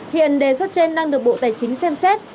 hiện đề xuất trên đang được bộ tài chính xem xét